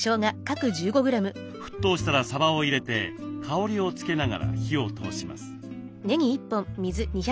沸騰したらさばを入れて香りを付けながら火を通します。